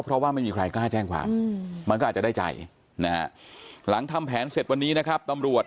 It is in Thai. เพราะว่าไม่มีใครกล้าแจ้งความมันก็อาจจะได้ใจนะฮะหลังทำแผนเสร็จวันนี้นะครับตำรวจ